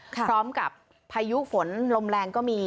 พร้อมกับพายุฝนลมแรงก็มี